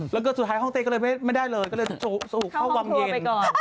แล้วก็สุดท้ายห้องเต้ก็เลยไม่ได้เลยก็เลยสูบเข้าวังเหตุไปก่อน